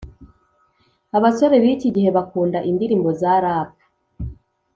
abasore biki gihe bakunda indirimbo za rap